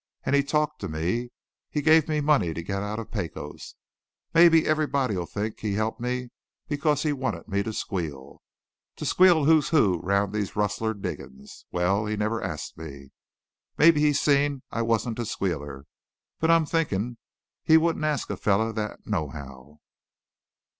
An' he talked to me. He gave me money to git out of Pecos. Mebbe everybody'll think he helped me because he wanted me to squeal. To squeal who's who round these rustler diggin's. Wal, he never asked me. Mebbe he seen I wasn't a squealer. But I'm thinkin' he wouldn't ask a feller thet nohow.